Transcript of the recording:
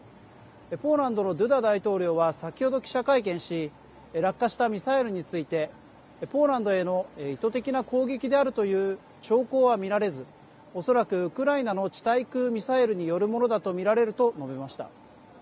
ポーランドのドゥダ大統領は先ほど記者会見し落下したミサイルについてポーランドへの意図的な攻撃であるという兆候は見られずおそらくウクライナの地対空ミサイルによるものだと見られると述べました。